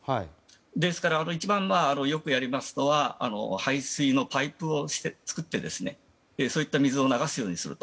ですから、一番よくやるのは排水のパイプを作ってそういった水を流すようにすると。